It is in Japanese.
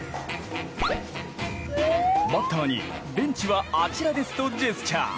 バッターにベンチはあちらですとジェスチャー。